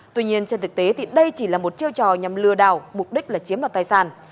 tuy nhiên trên thực tế đây chỉ là một chiêu trò nhằm lừa đảo mục đích là chiếm đoạt tài sản